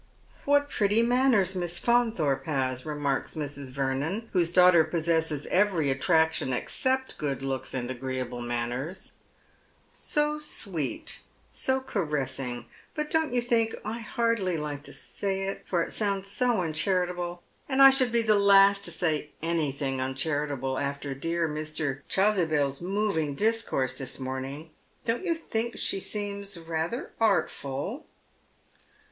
" What pretty manners Miss Faunthorpe has !" remarks Mrs. Vernon, whose daughter possesses every attraction except good looKs and agreeable manners, —" so sweet, so caressing. But don't you think — I hardly like to say it, for it sounds so un charitable, and I should be the last to say anything uncliaritable after dear Mr. Chasubel's moving discourse this morning, — don't you think she seems rather artful